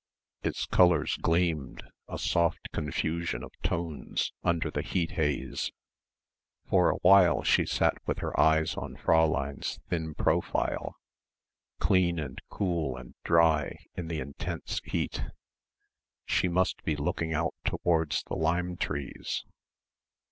Its colours gleamed, a soft confusion of tones, under the heat haze. For a while she sat with her eyes on Fräulein's thin profile, clean and cool and dry in the intense heat ... "she must be looking out towards the lime trees."